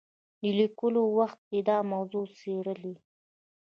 د لیکلو له وخته یې دا موضوع څېړلې.